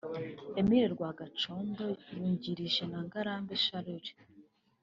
Emile Rwagacondo yungirijwe na Ngarambe Charles